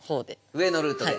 上のルートで。